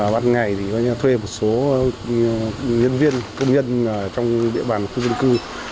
ban ngày thì thuê một số nhân viên công nhân trong địa bàn khu dân cư